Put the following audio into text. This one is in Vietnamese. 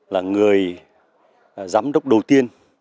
là người giám đốc đầu tiên